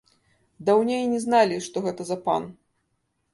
Даўней і не зналі, што гэта за пан.